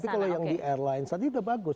tapi kalau yang di airlines tadi sudah bagus